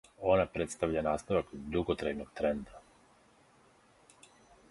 Она представља наставак дуготрајног тренда.